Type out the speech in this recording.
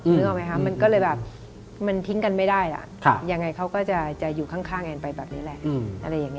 คือทิ้งกันไม่ได้อย่างไรเขาจะอยู่ข้างแอนไปแบบนี้แหละ